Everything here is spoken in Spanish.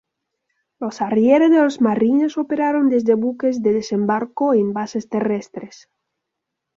Los Harrier de los Marines operaron desde buques de desembarco y en bases terrestres.